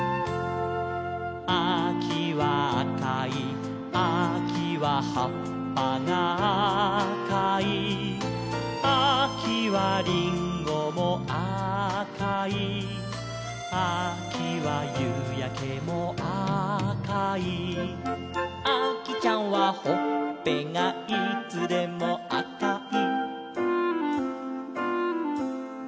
「あきはあかい」「あきははっぱがあかい」「あきはりんごもあかい」「あきはゆうやけもあかい」「あきちゃんはほっぺがいつでもあかい」